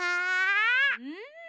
うん。